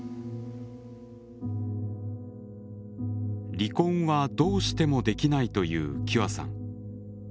離婚はどうしてもできないというキュアさん。